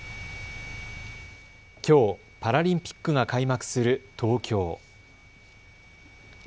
きょう、パラリンピックが開幕する東京。